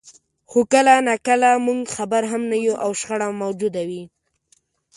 خو کله ناکله موږ خبر هم نه یو او شخړه موجوده وي.